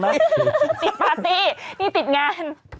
ติดปาร์ตี้นี่ติดงาน